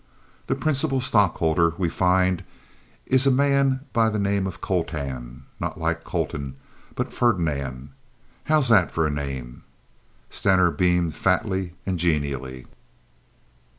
The principal stockholder, we find, is a man by the name of Coltan—not Ike Colton, but Ferdinand. How's that for a name?" Stener beamed fatly and genially.